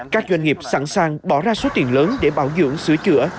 các doanh nghiệp sẵn sàng bỏ ra số tiền lớn để bảo dưỡng sửa chữa